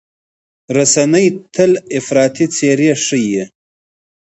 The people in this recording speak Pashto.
رسنۍ تل افراطي څېرې ښيي.